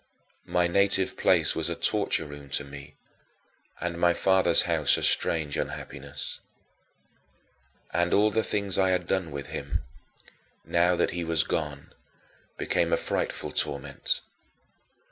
My native place was a torture room to me and my father's house a strange unhappiness. And all the things I had done with him now that he was gone became a frightful torment.